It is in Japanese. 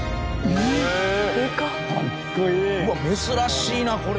うわっ珍しいなこれ。